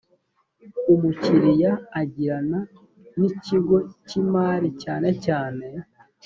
umukiriya agirana n ikigo cy imari cyane cyane